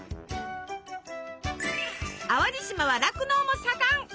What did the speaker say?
淡路島は酪農も盛ん。